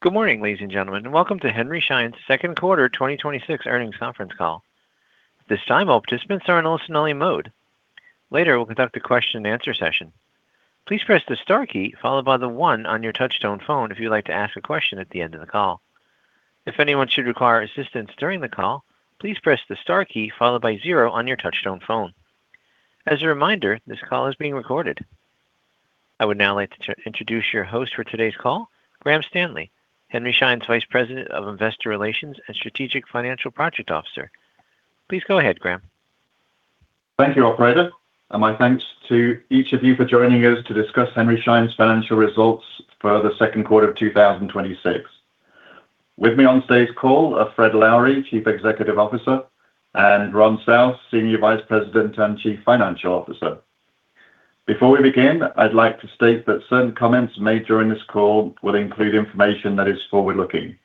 Good morning, ladies and gentlemen, and welcome to Henry Schein's second quarter 2026 earnings conference call. At this time, all participants are in listen-only mode. Later, we'll conduct a question-and-answer session. Please press the star key, followed by one on your touch-tone phone if you'd like to ask a question at the end of the call. If anyone should require assistance during the call, please press the star key followed by zero on your touch-tone phone. As a reminder, this call is being recorded. I would now like to introduce your host for today's call, Graham Stanley, Henry Schein's Vice President of Investor Relations and Strategic Financial Project Officer. Please go ahead, Graham. Thank you, operator, and my thanks to each of you for joining us to discuss Henry Schein's financial results for the second quarter of 2026. With me on today's call are Fred Lowery, Chief Executive Officer, and Ron South, Senior Vice President and Chief Financial Officer. Before we begin, I'd like to state that certain comments made during this call will include information that is forward-looking.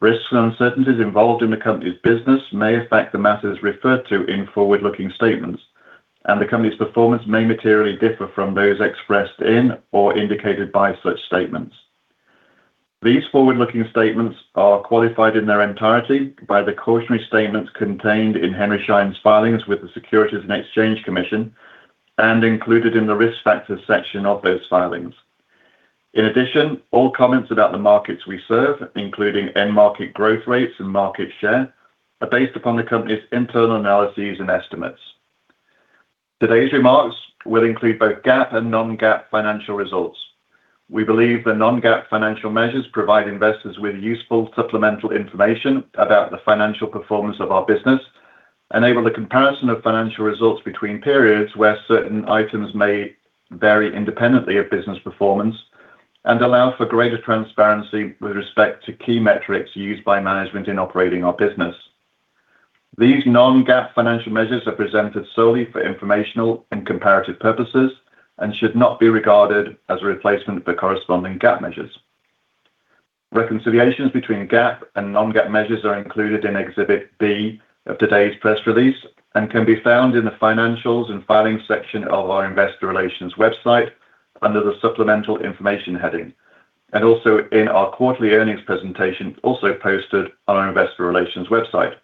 Risks and uncertainties involved in the company's business may affect the matters referred to in forward-looking statements. The company's performance may materially differ from those expressed in or indicated by such statements. These forward-looking statements are qualified in their entirety by the cautionary statements contained in Henry Schein's filings with the Securities and Exchange Commission and included in the Risk Factors section of those filings. All comments about the markets we serve, including end market growth rates and market share, are based upon the company's internal analyses and estimates. Today's remarks will include both GAAP and non-GAAP financial results. We believe the non-GAAP financial measures provide investors with useful supplemental information about the financial performance of our business, enable the comparison of financial results between periods where certain items may vary independently of business performance, and allow for greater transparency with respect to key metrics used by management in operating our business. These non-GAAP financial measures are presented solely for informational and comparative purposes and should not be regarded as a replacement for corresponding GAAP measures. Reconciliations between GAAP and non-GAAP measures are included in Exhibit B of today's press release and can be found in the Financials and Filings section of our Investor Relations website under the Supplemental Information heading, and also in our quarterly earnings presentation, also posted on our Investor Relations website.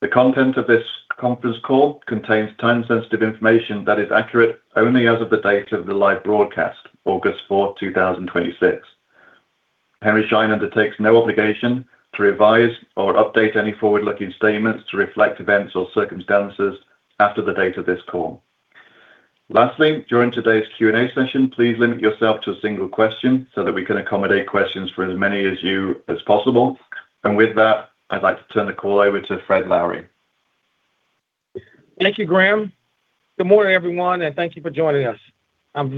The content of this conference call contains time-sensitive information that is accurate only as of the date of the live broadcast, August 4th 2026. Henry Schein undertakes no obligation to revise or update any forward-looking statements to reflect events or circumstances after the date of this call. Lastly, during today's Q&A session, please limit yourself to a single question so that we can accommodate questions for as many of you as possible. With that, I'd like to turn the call over to Fred Lowery. Thank you, Graham. Good morning, everyone, and thank you for joining us. Let's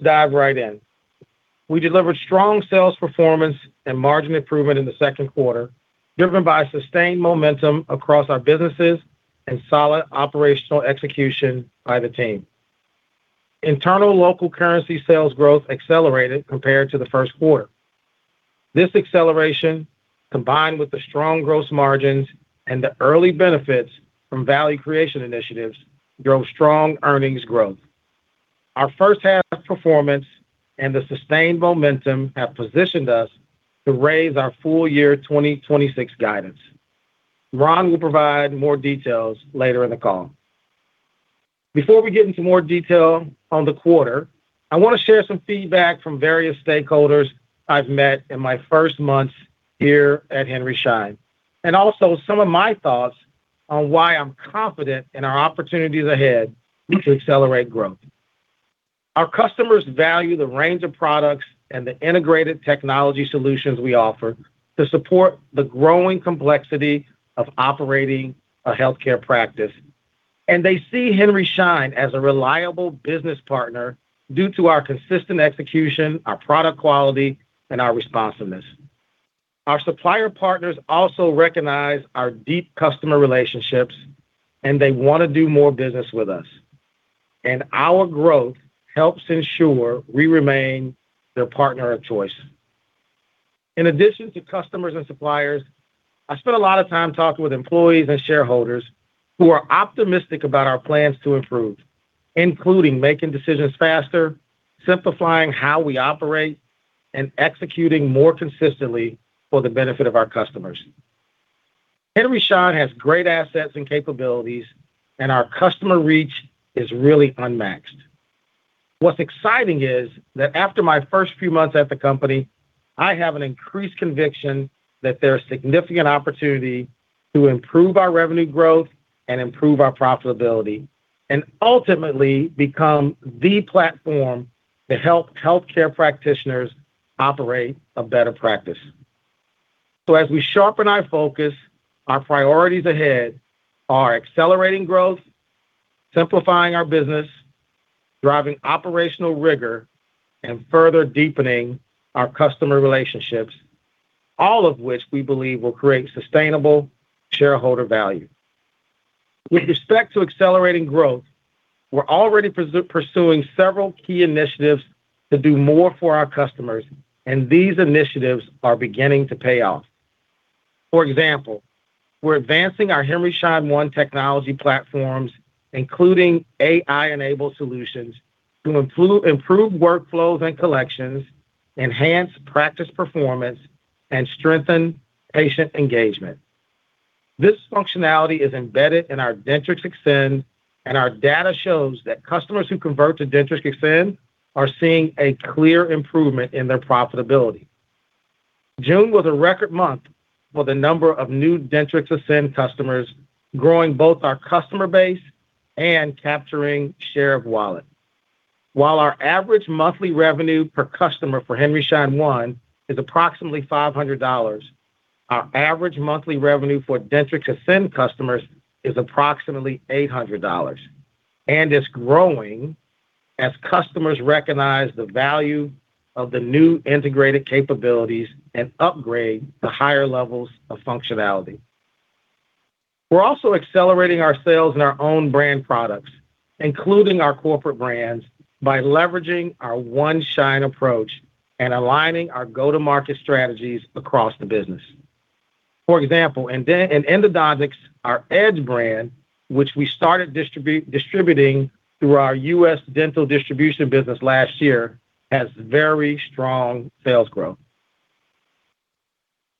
dive right in. We delivered strong sales performance and margin improvement in the second quarter, driven by sustained momentum across our businesses and solid operational execution by the team. Internal local currency sales growth accelerated compared to the first quarter. This acceleration, combined with the strong gross margins and the early benefits from value creation initiatives, drove strong earnings growth. Our first half performance and the sustained momentum have positioned us to raise our full year 2026 guidance. Ron will provide more details later in the call. Before we get into more detail on the quarter, I want to share some feedback from various stakeholders I've met in my first months here at Henry Schein, also some of my thoughts on why I'm confident in our opportunities ahead to accelerate growth. Our customers value the range of products and the integrated technology solutions we offer to support the growing complexity of operating a healthcare practice. They see Henry Schein as a reliable business partner due to our consistent execution, our product quality, and our responsiveness. Our supplier partners also recognize our deep customer relationships, and they want to do more business with us, and our growth helps ensure we remain their partner of choice. In addition to customers and suppliers, I spent a lot of time talking with employees and shareholders who are optimistic about our plans to improve, including making decisions faster, simplifying how we operate, and executing more consistently for the benefit of our customers. Henry Schein has great assets and capabilities and our customer reach is really unmatched. What's exciting is that after my first few months at the company, I have an increased conviction that there's significant opportunity to improve our revenue growth and improve our profitability, and ultimately become the platform to help healthcare practitioners operate a better practice. As we sharpen our focus, our priorities ahead are accelerating growth, simplifying our business, driving operational rigor, and further deepening our customer relationships, all of which we believe will create sustainable shareholder value. With respect to accelerating growth, we're already pursuing several key initiatives to do more for our customers, and these initiatives are beginning to pay off. For example, we're advancing our Henry Schein One technology platforms, including AI-enabled solutions to improve workflows and collections, enhance practice performance, and strengthen patient engagement. This functionality is embedded in our Dentrix Ascend, and our data shows that customers who convert to Dentrix Ascend are seeing a clear improvement in their profitability. June was a record month for the number of new Dentrix Ascend customers, growing both our customer base and capturing share of wallet. While our average monthly revenue per customer for Henry Schein One is approximately $500, our average monthly revenue for Dentrix Ascend customers is approximately $800. It's growing as customers recognize the value of the new integrated capabilities and upgrade to higher levels of functionality. We're also accelerating our sales in our own brand products, including our corporate brands, by leveraging our One Schein approach and aligning our go-to-market strategies across the business. For example, in Endodontics, our Edge brand, which we started distributing through our U.S. dental distribution business last year, has very strong sales growth.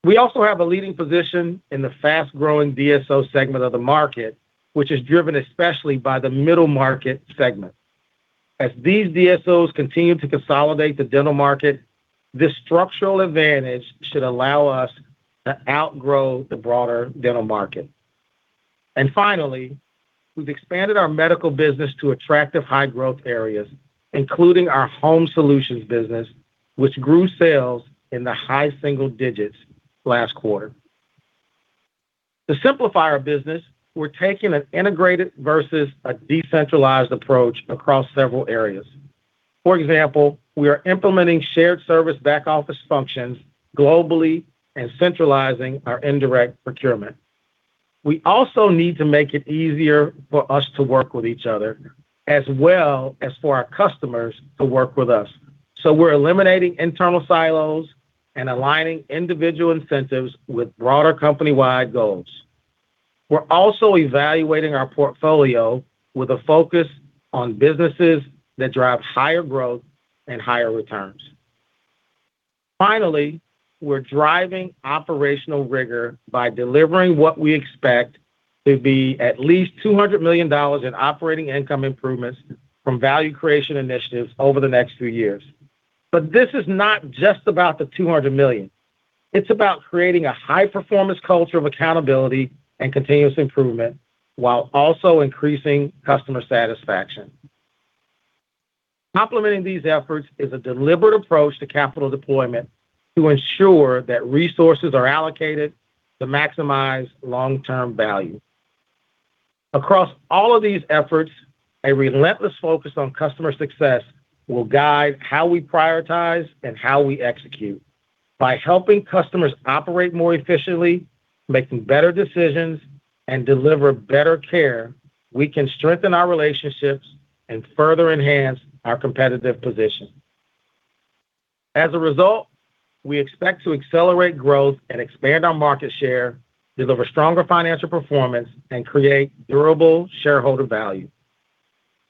We also have a leading position in the fast-growing DSO segment of the market, which is driven especially by the middle market segment. As these DSOs continue to consolidate the dental market, this structural advantage should allow us to outgrow the broader dental market. Finally, we've expanded our medical business to attractive high growth areas, including our Home Health Solutions business, which grew sales in the high single digits last quarter. To simplify our business, we're taking an integrated versus a decentralized approach across several areas. For example, we are implementing shared service back-office functions globally and centralizing our indirect procurement. We also need to make it easier for us to work with each other, as well as for our customers to work with us. We're eliminating internal silos and aligning individual incentives with broader company-wide goals. We're also evaluating our portfolio with a focus on businesses that drive higher growth and higher returns. Finally, we're driving operational rigor by delivering what we expect to be at least $200 million in operating income improvements from value creation initiatives over the next few years. This is not just about the $200 million. It's about creating a high performance culture of accountability and continuous improvement while also increasing customer satisfaction. Complementing these efforts is a deliberate approach to capital deployment to ensure that resources are allocated to maximize long-term value. Across all of these efforts, a relentless focus on customer success will guide how we prioritize and how we execute. By helping customers operate more efficiently, making better decisions, and deliver better care, we can strengthen our relationships and further enhance our competitive position. As a result, we expect to accelerate growth and expand our market share, deliver stronger financial performance, and create durable shareholder value.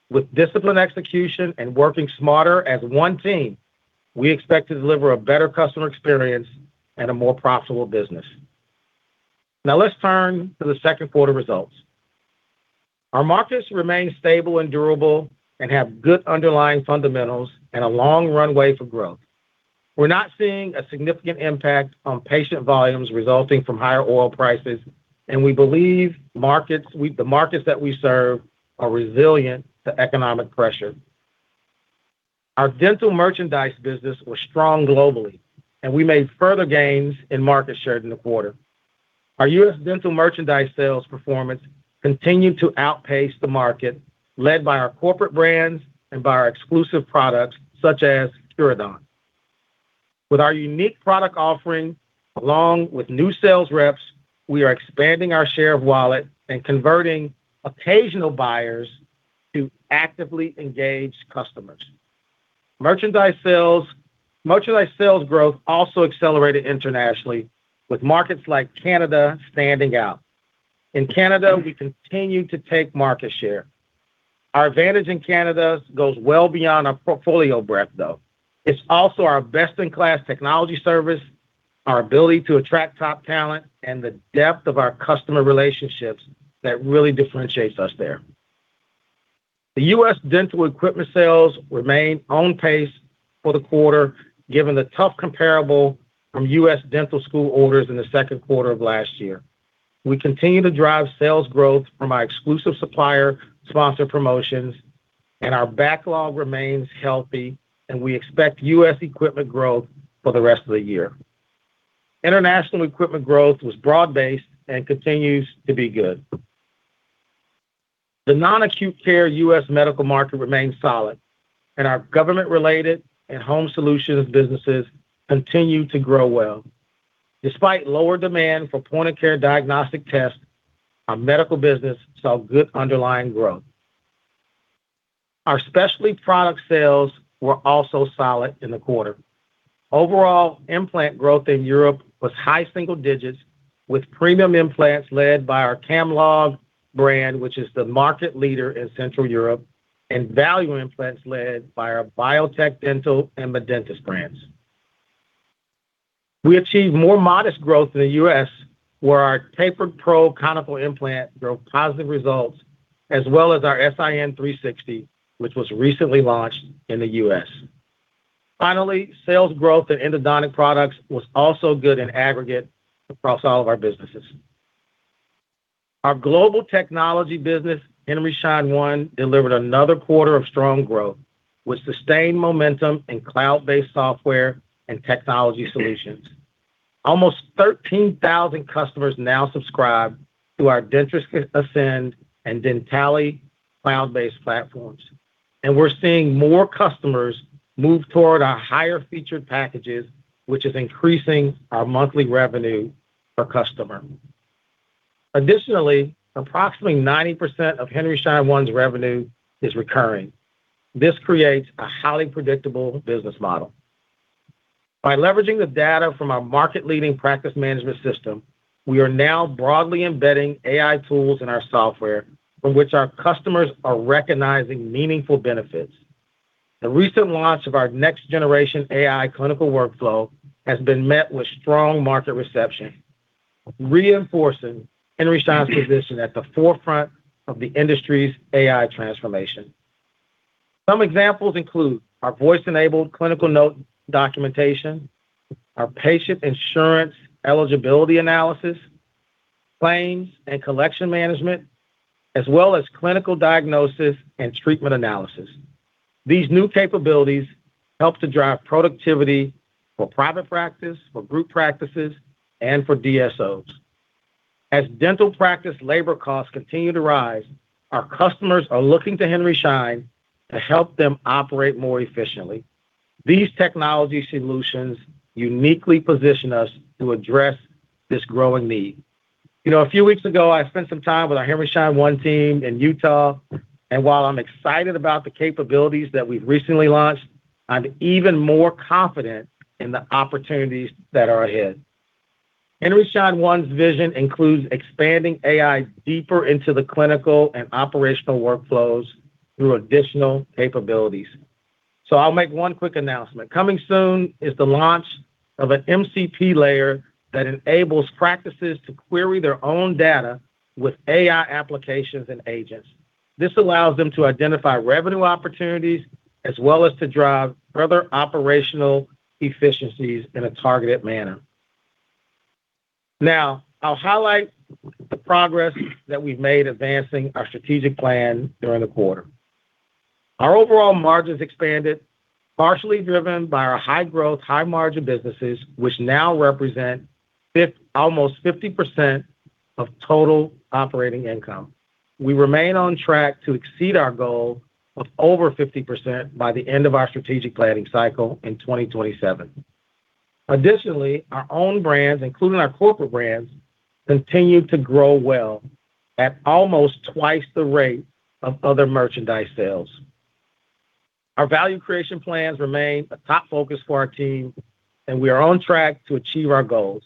With disciplined execution and working smarter as one team, we expect to deliver a better customer experience and a more profitable business. Let's turn to the second quarter results. Our markets remain stable and durable and have good underlying fundamentals and a long runway for growth. We're not seeing a significant impact on patient volumes resulting from higher oil prices, and we believe the markets that we serve are resilient to economic pressure. Our dental merchandise business was strong globally, and we made further gains in market share in the quarter. Our U.S. dental merchandise sales performance continued to outpace the market, led by our corporate brands and by our exclusive products such as Curadont. With our unique product offering, along with new sales reps, we are expanding our share of wallet and converting occasional buyers to actively engaged customers. Merchandise sales growth also accelerated internationally with markets like Canada standing out. In Canada, we continue to take market share. Our advantage in Canada goes well beyond our portfolio breadth, though. It's also our best-in-class technology service, our ability to attract top talent, and the depth of our customer relationships that really differentiates us there. The U.S. dental equipment sales remain on pace for the quarter, given the tough comparable from U.S. dental school orders in the second quarter of last year. We continue to drive sales growth from our exclusive supplier sponsored promotions. Our backlog remains healthy, and we expect U.S. equipment growth for the rest of the year. International equipment growth was broad-based and continues to be good. The non-acute care U.S. medical market remains solid. Our government-related and Home Health Solutions businesses continue to grow well. Despite lower demand for point-of-care diagnostic tests, our medical business saw good underlying growth. Our specialty product sales were also solid in the quarter. Overall, implant growth in Europe was high single digits with premium implants led by our Camlog brand, which is the market leader in Central Europe. Value implants led by our Biotec Dental and Medentis brands. We achieved more modest growth in the U.S. where our Tapered Pro conical implant drove positive results, as well as our S.I.N. 360, which was recently launched in the U.S. Finally, sales growth in endodontic products was also good in aggregate across all of our businesses. Our Global Technology Group business, Henry Schein One, delivered another quarter of strong growth with sustained momentum in cloud-based software and technology solutions. Almost 13,000 customers now subscribe to our Dentrix Ascend and Dentally cloud-based platforms. We're seeing more customers move toward our higher featured packages, which is increasing our monthly revenue per customer. Additionally, approximately 90% of Henry Schein One's revenue is recurring. This creates a highly predictable business model. By leveraging the data from our market-leading practice management system, we are now broadly embedding AI tools in our software from which our customers are recognizing meaningful benefits. The recent launch of our next generation AI clinical workflow has been met with strong market reception, reinforcing Henry Schein's position at the forefront of the industry's AI transformation. Some examples include our voice-enabled clinical note documentation, our patient insurance eligibility analysis, claims and collection management, as well as clinical diagnosis and treatment analysis. These new capabilities help to drive productivity for private practice, for group practices, and for DSOs. As dental practice labor costs continue to rise, our customers are looking to Henry Schein to help them operate more efficiently. These technology solutions uniquely position us to address this growing need. A few weeks ago, I spent some time with our Henry Schein One team in Utah, and while I'm excited about the capabilities that we've recently launched, I'm even more confident in the opportunities that are ahead. Henry Schein One's vision includes expanding AI deeper into the clinical and operational workflows through additional capabilities. I'll make one quick announcement. Coming soon is the launch of an MCP layer that enables practices to query their own data with AI applications and agents. This allows them to identify revenue opportunities as well as to drive further operational efficiencies in a targeted manner. I'll highlight the progress that we've made advancing our strategic plan during the quarter. Our overall margins expanded, partially driven by our high growth, high margin businesses, which now represent almost 50% of total operating income. We remain on track to exceed our goal of over 50% by the end of our strategic planning cycle in 2027. Our own brands, including our corporate brands, continue to grow well at almost twice the rate of other merchandise sales. Our value creation plans remain a top focus for our team, and we are on track to achieve our goals.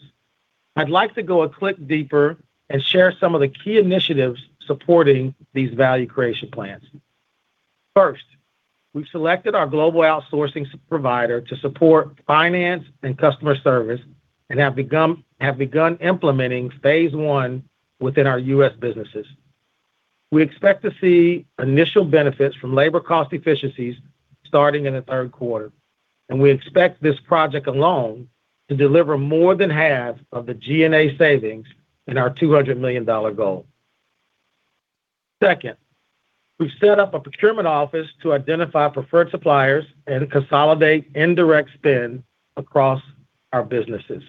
I'd like to go a click deeper and share some of the key initiatives supporting these value creation plans. First, we've selected our global outsourcing provider to support finance and customer service and have begun implementing phase I within our U.S. businesses. We expect to see initial benefits from labor cost efficiencies starting in the third quarter, and we expect this project alone to deliver more than half of the G&A savings in our $200 million goal. Second, we've set up a procurement office to identify preferred suppliers and consolidate indirect spend across our businesses.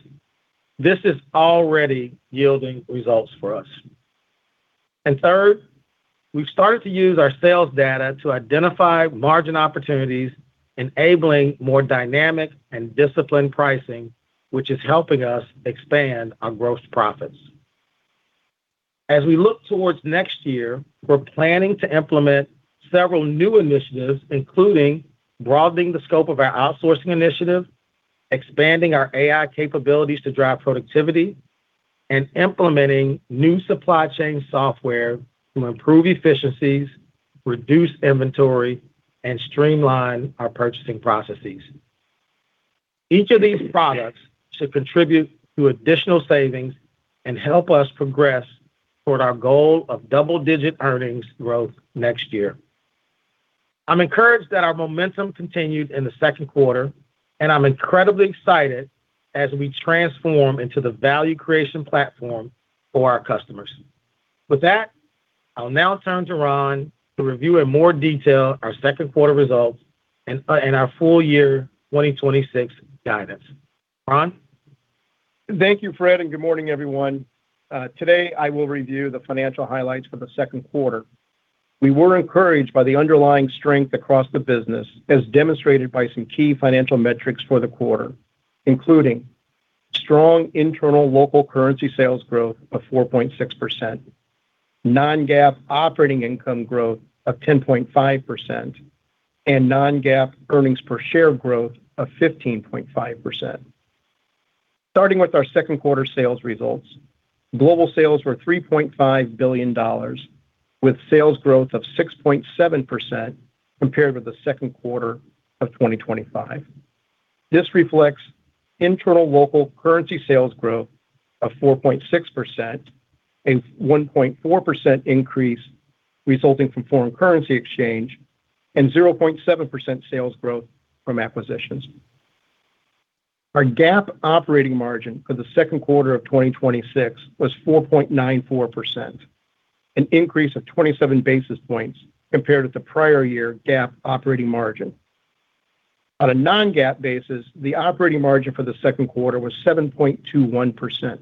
This is already yielding results for us. Third, we've started to use our sales data to identify margin opportunities, enabling more dynamic and disciplined pricing, which is helping us expand our gross profits. As we look towards next year, we're planning to implement several new initiatives, including broadening the scope of our outsourcing initiative, expanding our AI capabilities to drive productivity, and implementing new supply chain software to improve efficiencies, reduce inventory, and streamline our purchasing processes. Each of these products should contribute to additional savings and help us progress toward our goal of double-digit earnings growth next year. I'm encouraged that our momentum continued in the second quarter, and I'm incredibly excited as we transform into the value creation platform for our customers. With that, I'll now turn to Ron to review in more detail our second quarter results and our full year 2026 guidance. Ron? Thank you, Fred, and good morning, everyone. Today, I will review the financial highlights for the second quarter. We were encouraged by the underlying strength across the business, as demonstrated by some key financial metrics for the quarter, including strong internal local currency sales growth of 4.6%, non-GAAP operating income growth of 10.5%, and non-GAAP earnings per share growth of 15.5%. Starting with our second quarter sales results, global sales were $3.5 billion, with sales growth of 6.7% compared with the second quarter of 2025. This reflects internal local currency sales growth of 4.6%, a 1.4% increase resulting from foreign currency exchange, and 0.7% sales growth from acquisitions. Our GAAP operating margin for the second quarter of 2026 was 4.94%, an increase of 27 basis points compared with the prior year GAAP operating margin. On a non-GAAP basis, the operating margin for the second quarter was 7.21%,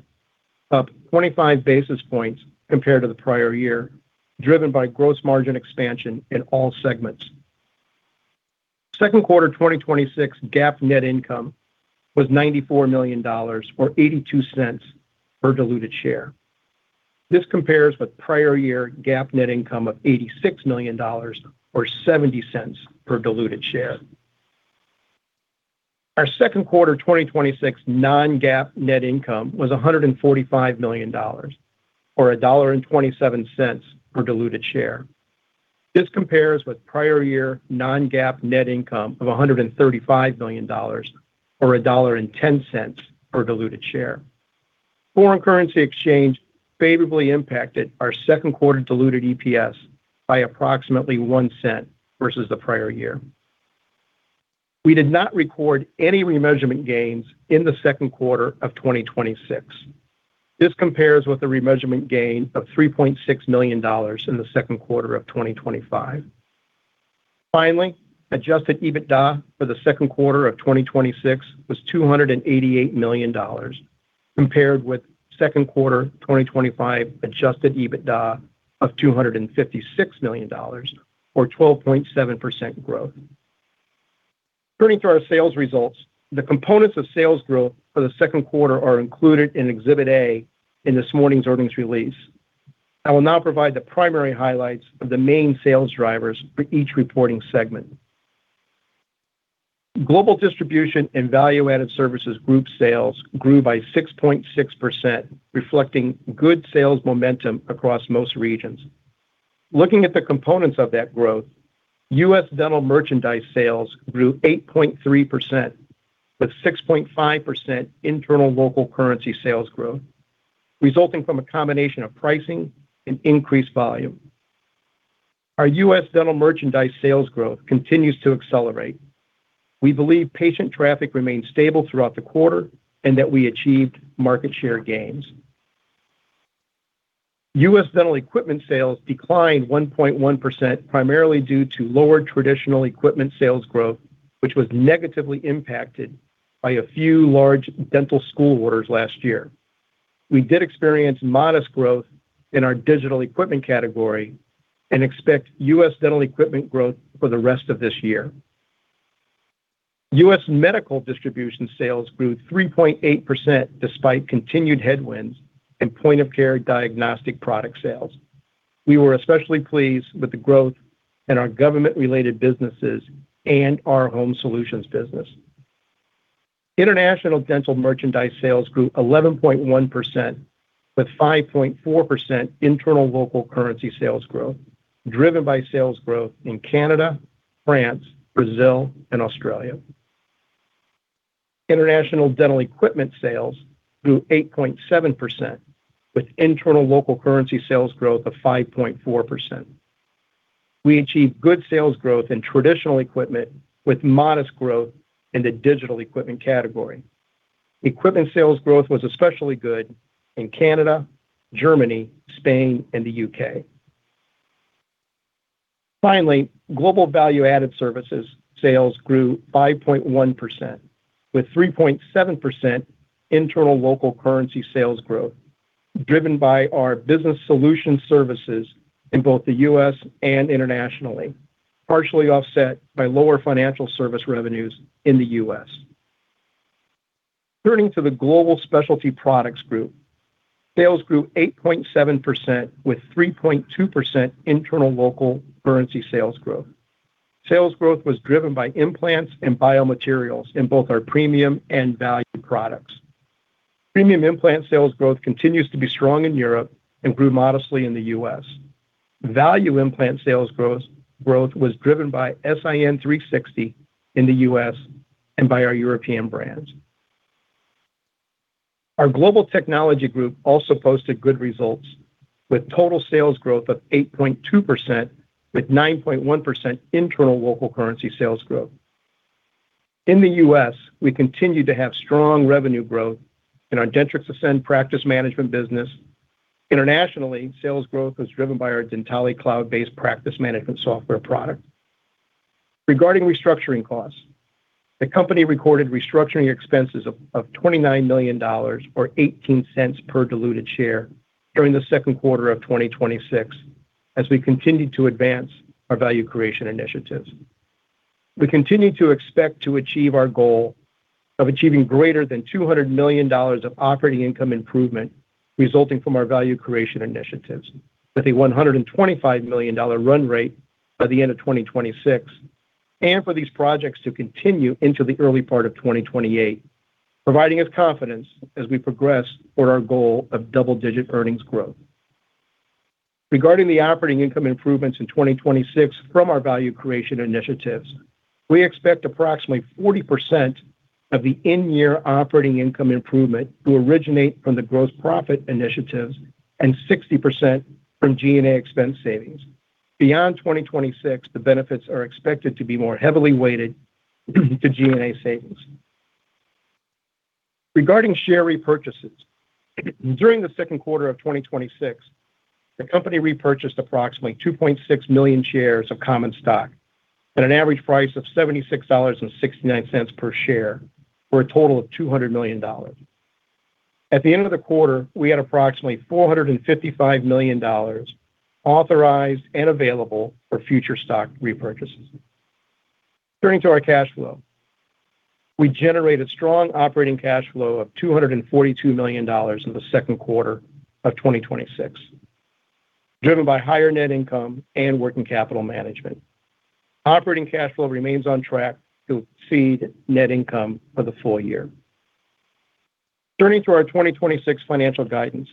up 25 basis points compared to the prior year, driven by gross margin expansion in all segments. Second quarter 2026 GAAP net income was $94 million, or $0.82 per diluted share. This compares with prior year GAAP net income of $86 million, or $0.70 per diluted share. Our second quarter 2026 non-GAAP net income was $145 million, or $1.27 per diluted share. This compares with prior year non-GAAP net income of $135 million, or $1.10 per diluted share. Foreign currency exchange favorably impacted our second quarter diluted EPS by approximately $0.01 versus the prior year. We did not record any remeasurement gains in the second quarter of 2026. This compares with a remeasurement gain of $3.6 million in the second quarter of 2025. Finally, adjusted EBITDA for the second quarter of 2026 was $288 million, compared with second quarter 2025 adjusted EBITDA of $256 million, or 12.7% growth. Turning to our sales results, the components of sales growth for the second quarter are included in Exhibit A in this morning's earnings release. I will now provide the primary highlights of the main sales drivers for each reporting segment. Global Distribution and Value-Added Services Group sales grew by 6.6%, reflecting good sales momentum across most regions. Looking at the components of that growth, U.S. Dental Merchandise sales grew 8.3%, with 6.5% internal local currency sales growth, resulting from a combination of pricing and increased volume. Our U.S. Dental Merchandise sales growth continues to accelerate. We believe patient traffic remained stable throughout the quarter, that we achieved market share gains. U.S. Dental Equipment sales declined 1.1%, primarily due to lower traditional equipment sales growth, which was negatively impacted by a few large dental school orders last year. We did experience modest growth in our digital equipment category and expect U.S. Dental Equipment growth for the rest of this year. U.S. Medical Distribution sales grew 3.8% despite continued headwinds in point-of-care diagnostic product sales. We were especially pleased with the growth in our government-related businesses and our Home Solutions business. International Dental Merchandise sales grew 11.1%, with 5.4% internal local currency sales growth, driven by sales growth in Canada, France, Brazil, and Australia. International Dental Equipment sales grew 8.7%, with internal local currency sales growth of 5.4%. We achieved good sales growth in traditional equipment with modest growth in the digital equipment category. Equipment sales growth was especially good in Canada, Germany, Spain, and the U.K. Finally, global value-added services sales grew 5.1%, with 3.7% internal local currency sales growth, driven by our business solution services in both the U.S. and internationally, partially offset by lower financial service revenues in the U.S. Turning to the Global Specialty Products Group, sales grew 8.7% with 3.2% internal local currency sales growth. Sales growth was driven by implants and biomaterials in both our premium and value products. Premium implant sales growth continues to be strong in Europe and grew modestly in the U.S. Value implant sales growth was driven by S.I.N. 360 in the U.S. and by our European brands. Our Global Technology Group also posted good results with total sales growth of 8.2% with 9.1% internal local currency sales growth. In the U.S., we continue to have strong revenue growth in our Dentrix Ascend practice management business. Internationally, sales growth was driven by our Dentally cloud-based practice management software product. Regarding restructuring costs, the company recorded restructuring expenses of $29 million, or $0.18 per diluted share during the second quarter of 2026, as we continued to advance our value creation initiatives. We continue to expect to achieve our goal of achieving greater than $200 million of operating income improvement resulting from our value creation initiatives, with a $125 million run rate by the end of 2026, and for these projects to continue into the early part of 2028, providing us confidence as we progress toward our goal of double-digit earnings growth. Regarding the operating income improvements in 2026 from our value creation initiatives, we expect approximately 40% of the in-year operating income improvement to originate from the gross profit initiatives and 60% from G&A expense savings. Beyond 2026, the benefits are expected to be more heavily weighted to G&A savings. Regarding share repurchases, during the second quarter of 2026, the company repurchased approximately 2.6 million shares of common stock at an average price of $76.69 per share, for a total of $200 million. At the end of the quarter, we had approximately $455 million authorized and available for future stock repurchases. Turning to our cash flow, we generated strong operating cash flow of $242 million in the second quarter of 2026, driven by higher net income and working capital management. Operating cash flow remains on track to exceed net income for the full year. Turning to our 2026 financial guidance,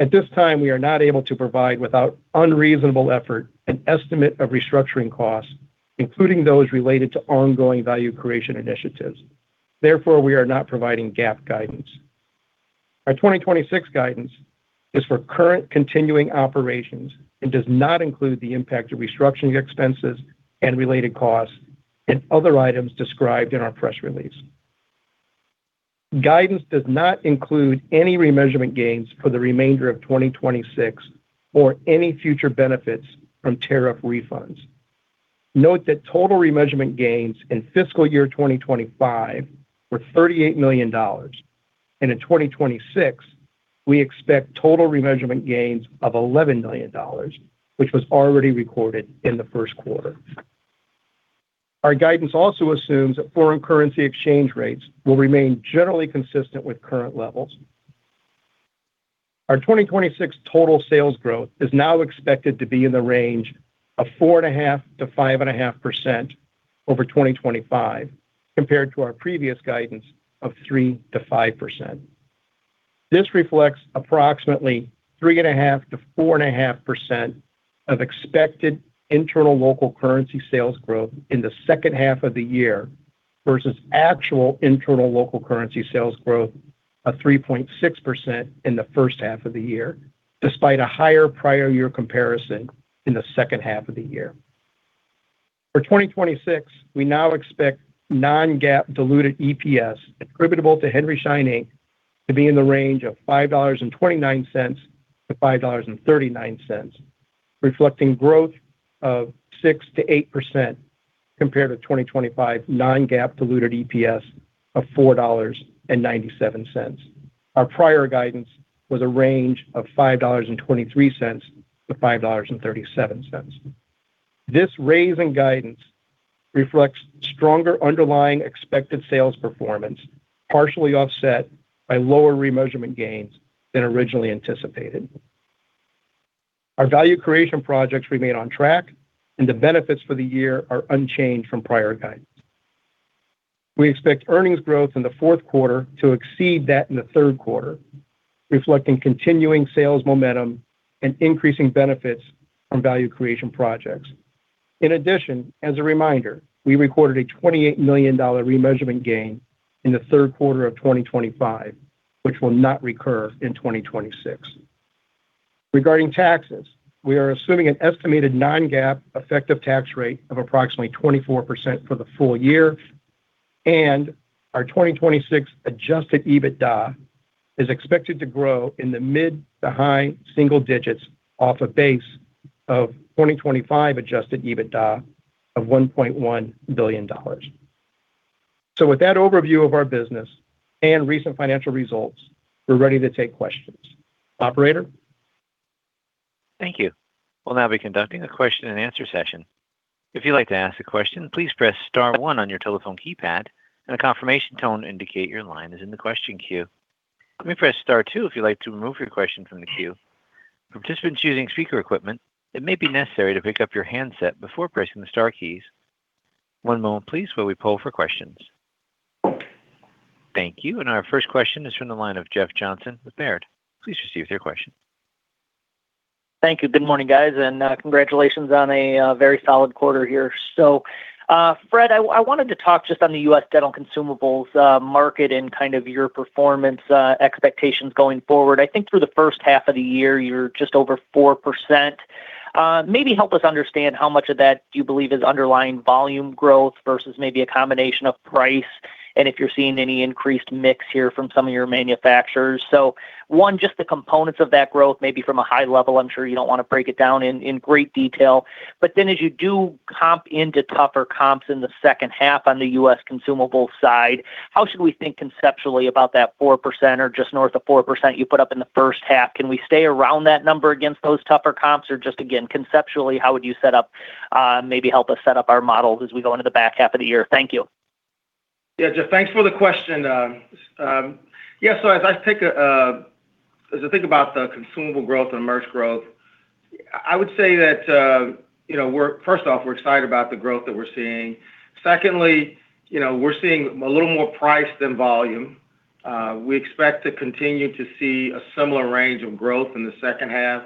at this time, we are not able to provide, without unreasonable effort, an estimate of restructuring costs, including those related to ongoing value creation initiatives. Therefore, we are not providing GAAP guidance. Our 2026 guidance is for current continuing operations and does not include the impact of restructuring expenses and related costs and other items described in our press release. Guidance does not include any remeasurement gains for the remainder of 2026 or any future benefits from tariff refunds. Note that total remeasurement gains in FY 2025 were $38 million, and in 2026, we expect total remeasurement gains of $11 million, which was already recorded in the first quarter. Our guidance also assumes that foreign currency exchange rates will remain generally consistent with current levels. Our 2026 total sales growth is now expected to be in the range of 4.5%-5.5% over 2025, compared to our previous guidance of 3%-5%. This reflects approximately 3.5%-4.5% of expected internal local currency sales growth in the second half of the year, versus actual internal local currency sales growth of 3.6% in the first half of the year, despite a higher prior year comparison in the second half of the year. For 2026, we now expect non-GAAP diluted EPS attributable to Henry Schein, Inc. to be in the range of $5.29-$5.39, reflecting growth of 6%-8% compared to 2025 non-GAAP diluted EPS of $4.97. Our prior guidance was a range of $5.23-$5.37. This raise in guidance reflects stronger underlying expected sales performance, partially offset by lower remeasurement gains than originally anticipated. Our value creation projects remain on track, and the benefits for the year are unchanged from prior guidance. We expect earnings growth in the fourth quarter to exceed that in the third quarter, reflecting continuing sales momentum and increasing benefits from value creation projects. In addition, as a reminder, we recorded a $28 million remeasurement gain in the third quarter of 2025, which will not recur in 2026. Regarding taxes, we are assuming an estimated non-GAAP effective tax rate of approximately 24% for the full year, and our 2026 adjusted EBITDA is expected to grow in the mid to high single digits off a base of 2025 adjusted EBITDA of $1.1 billion. With that overview of our business and recent financial results, we're ready to take questions. Operator? Thank you. We'll now be conducting a question-and-answer session. If you'd like to ask a question, please press star one on your telephone keypad, and a confirmation tone will indicate your line is in the question queue. Let me press star two if you'd like to remove your question from the queue. Participants using speaker equipment, it may be necessary to pick up your handset before pressing the star keys. One moment, please, while we poll for questions. Thank you. Our first question is from the line of Jeff Johnson with Baird. Please proceed with your question. Thank you. Good morning, guys, and congratulations on a very solid quarter here. Fred, I wanted to talk just on the U.S. dental consumables market and kind of your performance expectations going forward. I think through the first half of the year, you're just over 4%. Maybe help us understand how much of that do you believe is underlying volume growth versus maybe a combination of price and if you're seeing any increased mix here from some of your manufacturers. One, just the components of that growth, maybe from a high level. I'm sure you don't want to break it down in great detail. As you do comp into tougher comps in the second half on the U.S. consumables side, how should we think conceptually about that 4% or just north of 4% you put up in the first half? Can we stay around that number against those tougher comps, or just again, conceptually, how would you maybe help us set up our models as we go into the back half of the year? Thank you. Jeff, thanks for the question. As I think about the consumable growth and merch growth, I would say that, first off, we're excited about the growth that we're seeing. Secondly, we're seeing a little more price than volume. We expect to continue to see a similar range of growth in the second half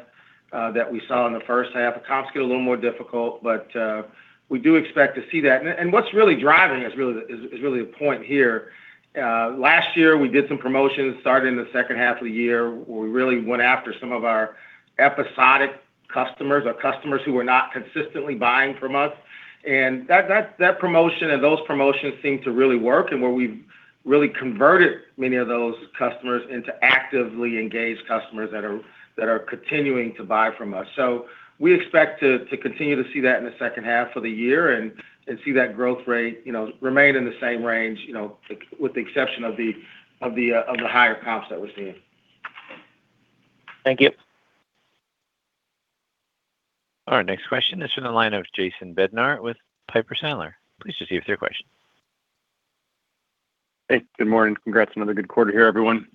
that we saw in the first half. The comps get a little more difficult, we do expect to see that. What's really driving is really the point here. Last year, we did some promotions starting in the second half of the year, where we really went after some of our episodic customers or customers who were not consistently buying from us. That promotion and those promotions seemed to really work and where we've really converted many of those customers into actively engaged customers that are continuing to buy from us. We expect to continue to see that in the second half of the year and see that growth rate remain in the same range with the exception of the higher comps that we're seeing. Thank you. All right. Next question is from the line of Jason Bednar with Piper Sandler. Please just give us your question. Hey, good morning. Congrats on another good quarter here, everyone.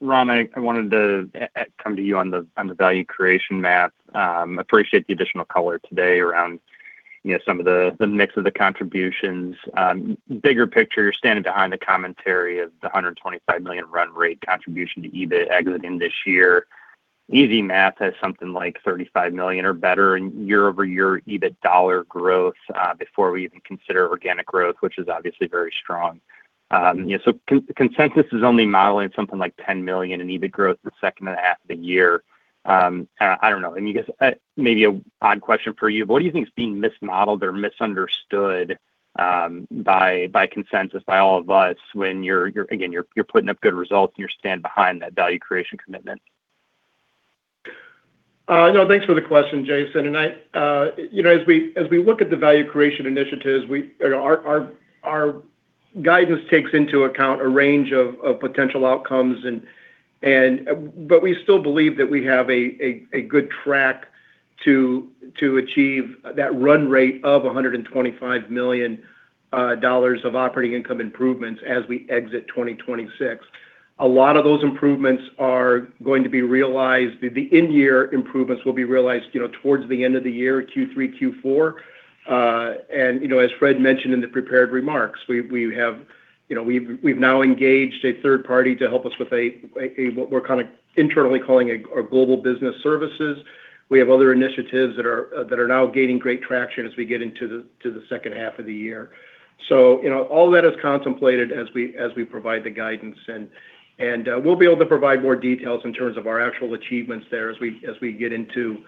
Ron, I wanted to come to you on the value creation math. Appreciate the additional color today around some of the mix of the contributions. Bigger picture, standing behind the commentary of the $125 million run rate contribution to EBIT exiting this year. Easy math has something like $35 million or better in year-over-year EBIT dollar growth before we even consider organic growth, which is obviously very strong. Consensus is only modeling something like $10 million in EBIT growth in the second half of the year. I don't know. Maybe an odd question for you, but what do you think is being mismodeled or misunderstood by consensus, by all of us, when, again, you're putting up good results and you stand behind that value creation commitment? No, thanks for the question, Jason. As we look at the value creation initiatives, our guidance takes into account a range of potential outcomes, but we still believe that we have a good track to achieve that run rate of $125 million of operating income improvements as we exit 2026. A lot of those improvements are going to be realized, the in-year improvements will be realized towards the end of the year, Q3, Q4. As Fred mentioned in the prepared remarks, we've now engaged a third party to help us with what we're internally calling our Global Business Services. We have other initiatives that are now gaining great traction as we get into the second half of the year. All that is contemplated as we provide the guidance. We'll be able to provide more details in terms of our actual achievements there as we get into,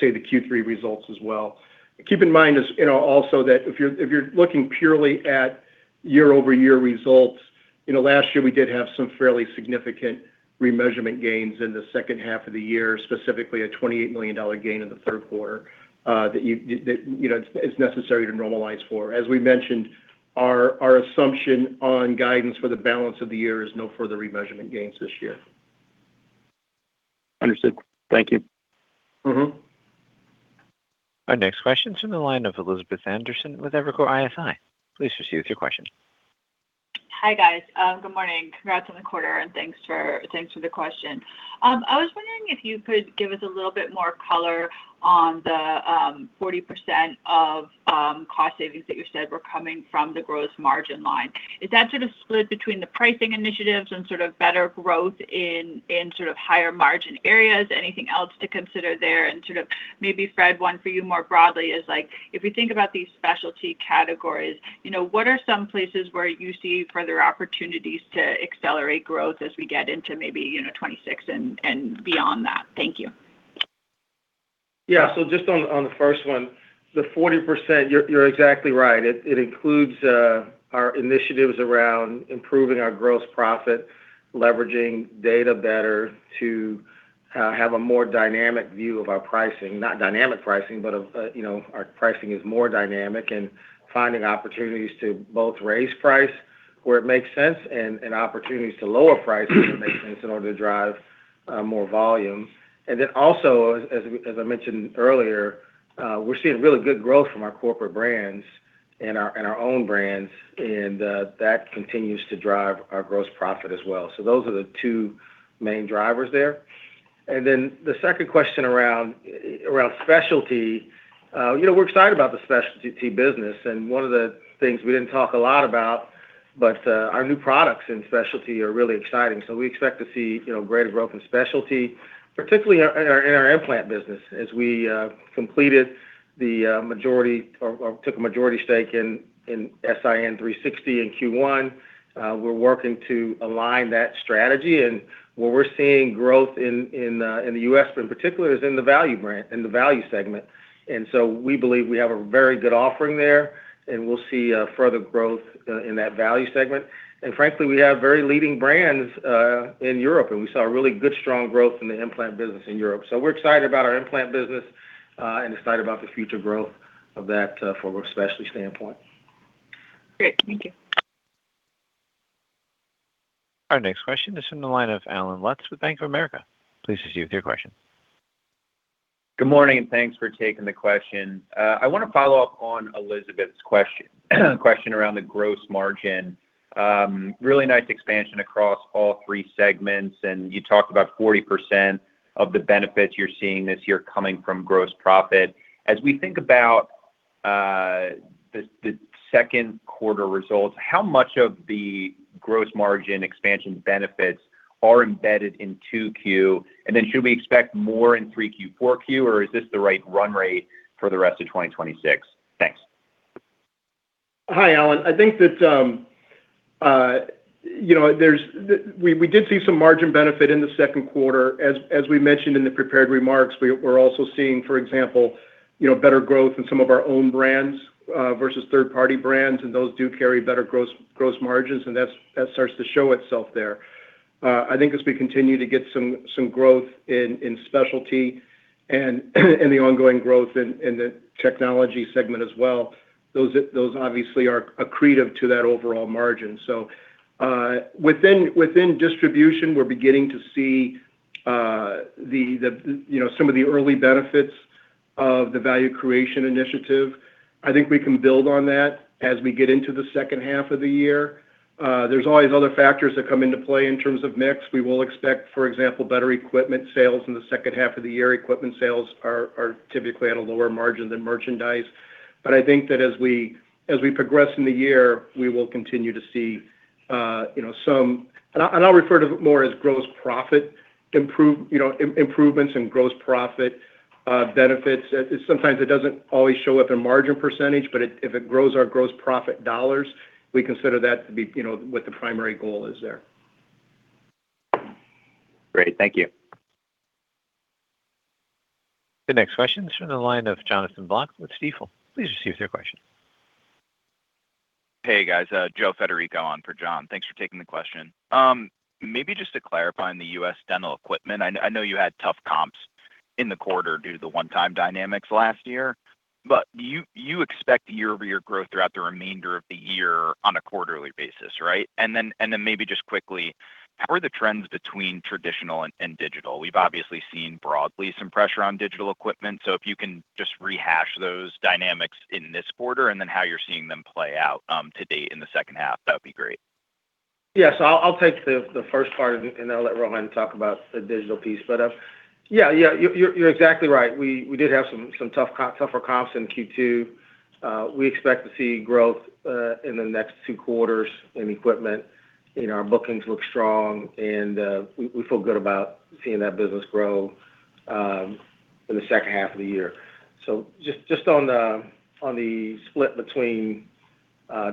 say, the Q3 results as well. Keep in mind also that if you're looking purely at year-over-year results, last year we did have some fairly significant remeasurement gains in the second half of the year, specifically a $28 million gain in the third quarter, that is necessary to normalize for. As we mentioned, our assumption on guidance for the balance of the year is no further remeasurement gains this year. Understood. Thank you. Our next question's from the line of Elizabeth Anderson with Evercore ISI. Please proceed with your question. Hi, guys. Good morning. Congrats on the quarter. Thanks for the question. I was wondering if you could give us a little bit more color on the 40% of cost savings that you said were coming from the gross margin line. Is that sort of split between the pricing initiatives and sort of better growth in sort of higher margin areas? Anything else to consider there? Maybe, Fred, one for you more broadly is if we think about these specialty categories, what are some places where you see further opportunities to accelerate growth as we get into maybe 2026 and beyond that? Thank you. Yeah. Just on the first one, the 40%, you're exactly right. It includes our initiatives around improving our gross profit, leveraging data better to have a more dynamic view of our pricing, not dynamic pricing, but our pricing is more dynamic and finding opportunities to both raise price where it makes sense and opportunities to lower price where it makes sense in order to drive more volume. Also, as I mentioned earlier, we're seeing really good growth from our corporate brands and our own brands, and that continues to drive our gross profit as well. Those are the two main drivers there. The second question around specialty, we're excited about the specialty business. One of the things we didn't talk a lot about, but our new products in specialty are really exciting. We expect to see greater growth in specialty, particularly in our implant business as we completed the majority, or took a majority stake in S.I.N. 360 in Q1. We're working to align that strategy. Where we're seeing growth in the U.S. in particular is in the value segment. We believe we have a very good offering there. We'll see further growth in that value segment. Frankly, we have very leading brands in Europe. We saw really good, strong growth in the implant business in Europe. We're excited about our implant business and excited about the future growth of that from a specialty standpoint. Great. Thank you. Our next question is in the line of Allen Lutz with Bank of America. Please proceed with your question. Good morning. Thanks for taking the question. I want to follow up on Elizabeth's question around the gross margin. Really nice expansion across all three segments, and you talked about 40% of the benefits you're seeing this year coming from gross profit. As we think about the second quarter results, how much of the gross margin expansion benefits are embedded in 2Q? Should we expect more in 3Q, 4Q, or is this the right run rate for the rest of 2026? Thanks. Hi, Allen. I think that we did see some margin benefit in the second quarter. As we mentioned in the prepared remarks, we're also seeing, for example, better growth in some of our own brands versus third-party brands. Those do carry better gross margins, and that starts to show itself there. I think as we continue to get some growth in specialty and the ongoing growth in the technology segment as well, those obviously are accretive to that overall margin. Within distribution, we're beginning to see some of the early benefits of the value creation initiative. I think we can build on that as we get into the second half of the year. There's always other factors that come into play in terms of mix. We will expect, for example, better equipment sales in the second half of the year. Equipment sales are typically at a lower margin than merchandise. I think that as we progress in the year, we will continue to see I'll refer to it more as gross profit improvements and gross profit benefits. Sometimes it doesn't always show up in margin percentage, but if it grows our gross profit dollars, we consider that to be what the primary goal is there. Great. Thank you. The next question is from the line of Jonathan Block with Stifel. Please proceed with your question. Hey, guys. Joe Federico on for John. Thanks for taking the question. Maybe just to clarify on the U.S. dental equipment, I know you had tough comps in the quarter due to the one-time dynamics last year. Do you expect year-over-year growth throughout the remainder of the year on a quarterly basis, right? Then maybe just quickly, how are the trends between traditional and digital? We've obviously seen broadly some pressure on digital equipment. If you can just rehash those dynamics in this quarter and then how you're seeing them play out to date in the second half, that would be great. Yeah. I'll take the first part, and then I'll let Ron talk about the digital piece. Yeah, you're exactly right. We did have some tougher comps in Q2. We expect to see growth in the next two quarters in equipment. Our bookings look strong, and we feel good about seeing that business grow in the second half of the year. Just on the split between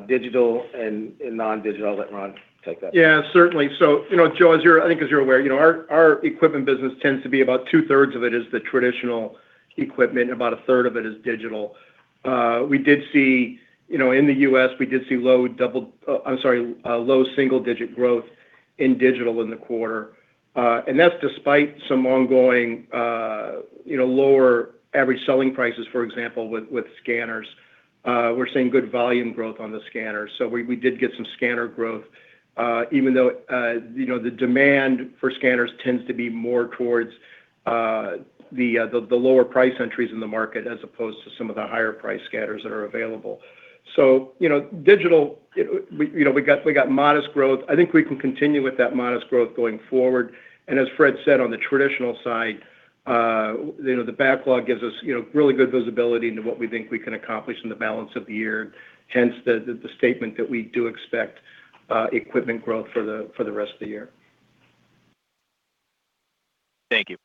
digital and non-digital, I'll let Ron take that. Yeah, certainly. Joe, I think as you're aware, our equipment business tends to be about two-thirds of it is the traditional equipment. About a third of it is digital. In the U.S., we did see low single-digit growth in digital in the quarter. That's despite some ongoing lower average selling prices, for example, with scanners. We're seeing good volume growth on the scanners. We did get some scanner growth, even though the demand for scanners tends to be more towards the lower price entries in the market as opposed to some of the higher price scanners that are available. Digital, we got modest growth. I think we can continue with that modest growth going forward. As Fred said on the traditional side, the backlog gives us really good visibility into what we think we can accomplish in the balance of the year, hence the statement that we do expect equipment growth for the rest of the year. Thank you.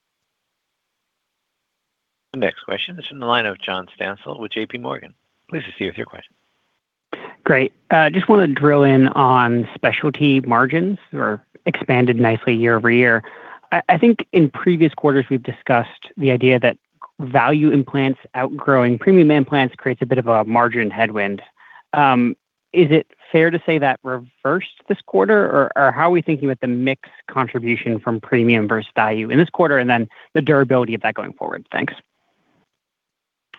The next question is from the line of John Stansel with JPMorgan. Please proceed with your question. Great. Just want to drill in on specialty margins that are expanded nicely year-over-year. I think in previous quarters, we've discussed the idea that value implants outgrowing premium implants creates a bit of a margin headwind. Is it fair to say that reversed this quarter, or how are we thinking about the mix contribution from premium versus value in this quarter, and then the durability of that going forward? Thanks.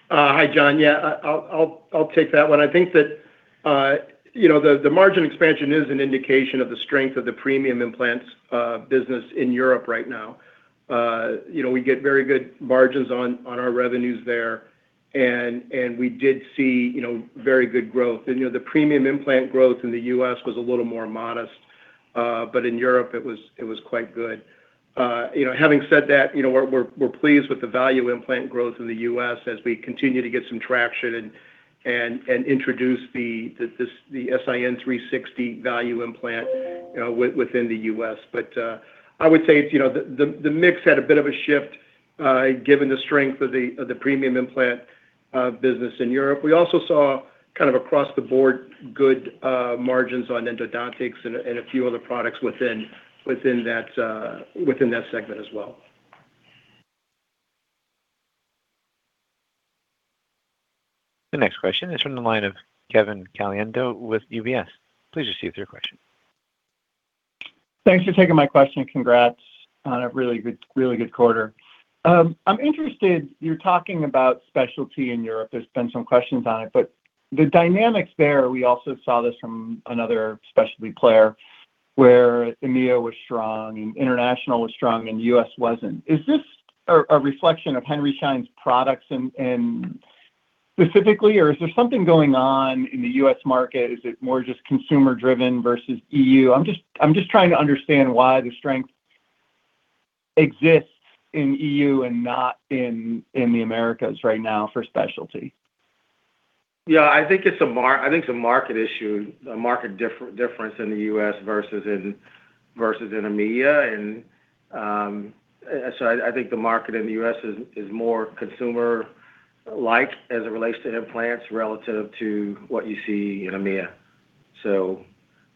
Hi, John. Yeah. I'll take that one. I think that the margin expansion is an indication of the strength of the premium implants business in Europe right now. We get very good margins on our revenues there. We did see very good growth. The premium implant growth in the U.S. was a little more modest. In Europe, it was quite good. Having said that, we're pleased with the value implant growth in the U.S. as we continue to get some traction and introduce the S.I.N. 360 value implant within the U.S. I would say the mix had a bit of a shift given the strength of the premium implant business in Europe. We also saw kind of across the board good margins on endodontics and a few other products within that segment as well. The next question is from the line of Kevin Caliendo with UBS. Please proceed with your question. Thanks for taking my question. Congrats on a really good quarter. I'm interested, you're talking about specialty in Europe. There's been some questions on it, but the dynamics there, we also saw this from another specialty player, where EMEA was strong and international was strong, and U.S. wasn't. Is this a reflection of Henry Schein's products specifically, or is there something going on in the U.S. market? Is it more just consumer-driven versus EU? I'm just trying to understand why the strength exists in EU and not in the Americas right now for specialty. Yeah, I think it's a market difference in the U.S. versus in EMEA. I think the market in the U.S. is more consumer-like as it relates to implants relative to what you see in EMEA.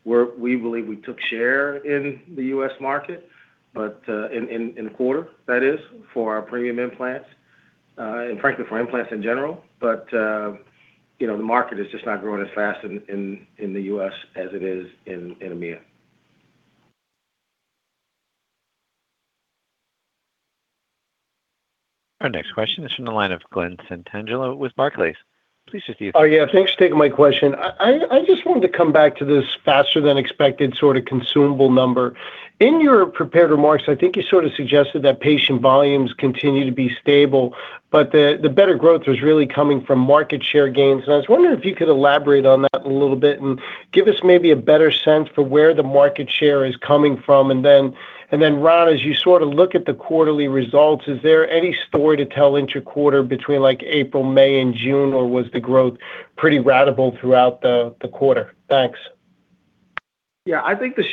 We believe we took share in the U.S. market, in the quarter, that is, for our premium implants, and frankly, for implants in general. The market is just not growing as fast in the U.S. as it is in EMEA. Our next question is from the line of Glen Santangelo with Barclays. Please proceed. Oh, yeah. Thanks for taking my question. I just wanted to come back to this faster than expected consumable number. In your prepared remarks, I think you sort of suggested that patient volumes continue to be stable, but the better growth was really coming from market share gains, and I was wondering if you could elaborate on that a little bit and give us maybe a better sense for where the market share is coming from. Then, Ron, as you look at the quarterly results, is there any story to tell inter-quarter between April, May, and June, or was the growth pretty ratable throughout the quarter? Thanks. Yeah. Thanks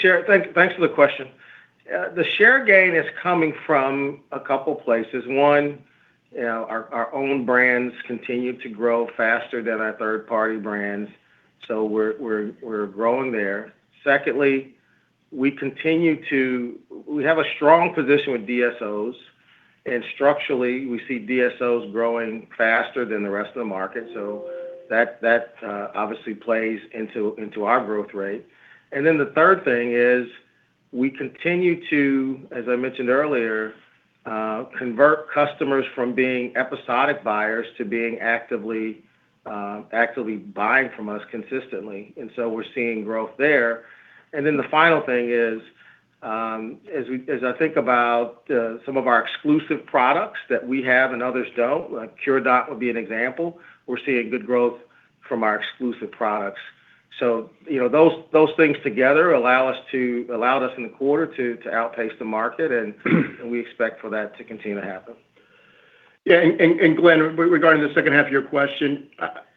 for the question. The share gain is coming from a couple places. One, our own brands continue to grow faster than our third-party brands, so we're growing there. Secondly, we have a strong position with DSOs, and structurally, we see DSOs growing faster than the rest of the market, so that obviously plays into our growth rate. The third thing is we continue to, as I mentioned earlier, convert customers from being episodic buyers to being actively buying from us consistently. We're seeing growth there. The final thing is, as I think about some of our exclusive products that we have and others don't, Curadont would be an example, we're seeing good growth from our exclusive products. Those things together allowed us in the quarter to outpace the market, and we expect for that to continue to happen. Yeah. Glen, regarding the second half of your question,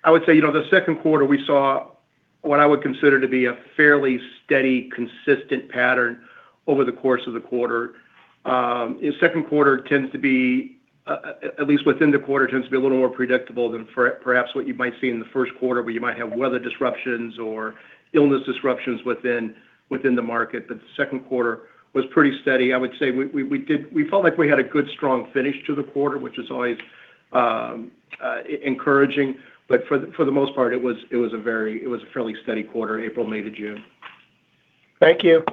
I would say, the second quarter, we saw what I would consider to be a fairly steady, consistent pattern over the course of the quarter. The second quarter, at least within the quarter, tends to be a little more predictable than perhaps what you might see in the first quarter, where you might have weather disruptions or illness disruptions within the market. The second quarter was pretty steady. I would say we felt like we had a good, strong finish to the quarter, which is always encouraging. For the most part, it was a fairly steady quarter, April, May to June. Thank you.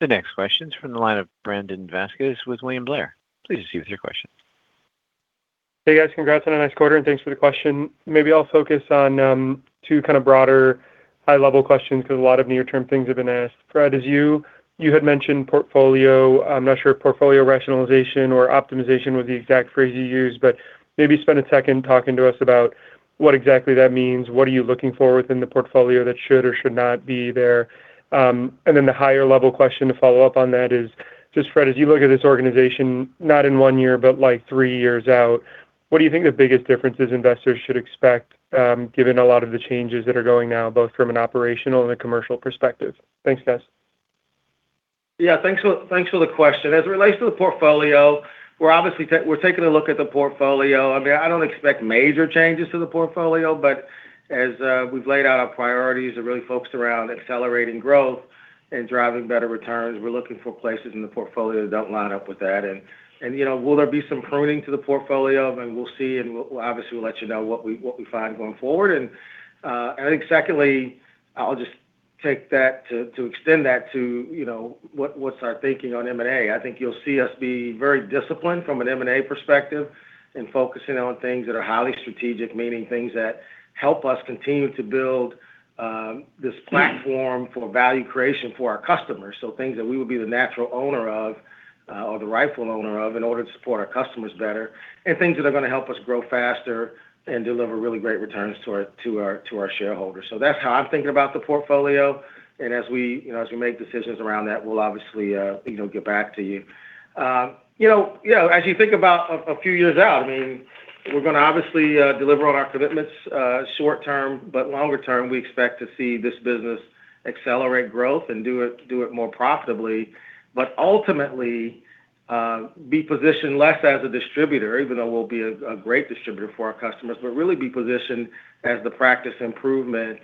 The next question's from the line of Brandon Vazquez with William Blair. Please proceed with your question. Hey, guys. Congrats on a nice quarter, and thanks for the question. Maybe I'll focus on two kind of broader high-level questions because a lot of near-term things have been asked. Fred, as you had mentioned portfolio, I'm not sure if portfolio rationalization or optimization was the exact phrase you used, but maybe spend a second talking to us about what exactly that means. What are you looking for within the portfolio that should or should not be there? The higher-level question to follow up on that is just, Fred, as you look at this organization, not in one year, but three years out, what do you think the biggest difference is investors should expect given a lot of the changes that are going now, both from an operational and a commercial perspective? Thanks, guys. Yeah. Thanks for the question. As it relates to the portfolio, we're taking a look at the portfolio. I don't expect major changes to the portfolio, but as we've laid out our priorities are really focused around accelerating growth and driving better returns. We're looking for places in the portfolio that don't line up with that. Will there be some pruning to the portfolio? We'll see, and obviously, we'll let you know what we find going forward. I think secondly, I'll just take that to extend that to what's our thinking on M&A. I think you'll see us be very disciplined from an M&A perspective and focusing on things that are highly strategic, meaning things that help us continue to build this platform for value creation for our customers. Things that we would be the natural owner of or the rightful owner of in order to support our customers better and things that are going to help us grow faster and deliver really great returns to our shareholders. That's how I'm thinking about the portfolio. As we make decisions around that, we'll obviously get back to you. As you think about a few years out, we're going to obviously deliver on our commitments short term, but longer term, we expect to see this business accelerate growth and do it more profitably. Ultimately, be positioned less as a distributor, even though we'll be a great distributor for our customers, but really be positioned as the practice improvement